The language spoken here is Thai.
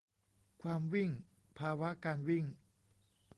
'ความวิ่ง' ภาวะการวิ่ง